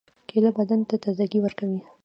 کېله بدن ته تازګي ورکوي.